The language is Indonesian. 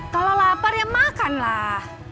kalau lapar ya makanlah